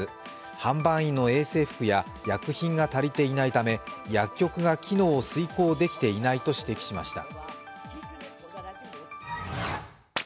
販売員の衛生服や薬品が足りていないため薬局が機能を遂行できていないと指摘しました。